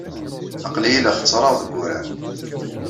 Aql-iyi la xeṣṣreɣ deg wurar.